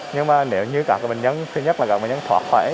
nhưng mà nếu như các bệnh nhân thứ nhất là các bệnh nhân thoát khỏi